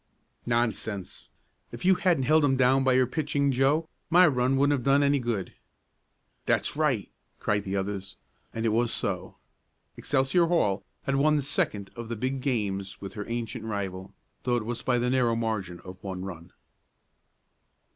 "Nonsense! If you hadn't held 'em down by your pitching, Joe, my run wouldn't have done any good." "That's right!" cried the others, and it was so. Excelsior Hall had won the second of the big games with her ancient rival, though it was by the narrow margin of one run.